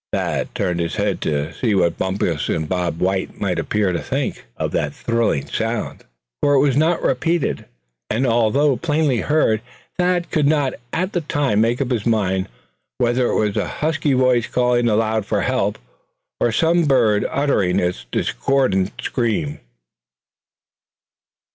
Thad turned his head to see what Bumpus and Bob White might appear to think of that thrilling sound; for it was not repeated; and although plainly heard, Thad could not at the time make up his mind whether it was a husky voice calling aloud for help, or some bird uttering its discordant scream.